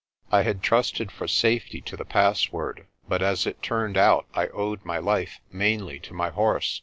I had trusted for safety to the password, but as it turned out I owed my life mainly to my horse.